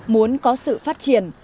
muốn có sự phát triển